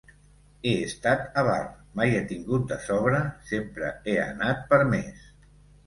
He estat avar, mai he tingut de sobra, sempre he anat per més.